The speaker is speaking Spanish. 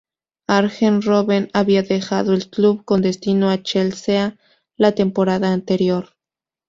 Arjen Robben había dejado el club con destino al Chelsea la temporada anterior.